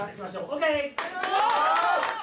ＯＫ？